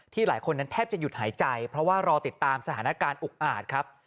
หลายคนนั้นแทบจะหยุดหายใจเพราะว่ารอติดตามสถานการณ์อุกอาจครับ